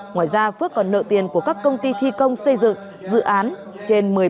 ngoài ra phước còn nợ tiền của các công ty thi công xây dựng dự án trên một mươi tỷ đồng